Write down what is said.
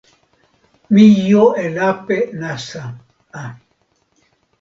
mi jo e lape nasa a.